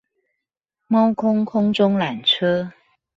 貓空空中纜車